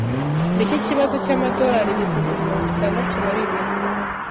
Nicyo kibazo cyamadorari ibihumbi mirongo itandatu na bine.